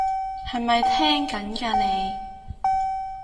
係咪聽緊㗎你？